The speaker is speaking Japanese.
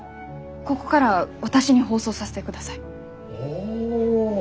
ここから私に放送させてください。